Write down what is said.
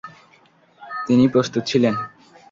তিনি প্রস্তুত ছিলেন।